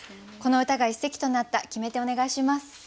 この歌が一席となった決め手お願いします。